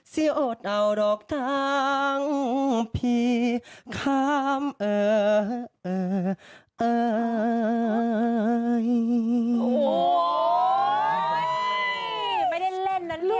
เสียอดเอาดอกทางพี่ข้ามเอ่อเอ่อเอ่อ